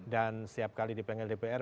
dan setiap kali dipanggil dpr